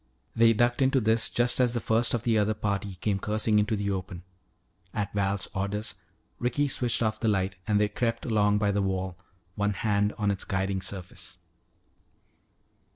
They ducked into this just as the first of the other party came cursing into the open. At Val's orders, Ricky switched off the light and they crept along by the wall, one hand on its guiding surface.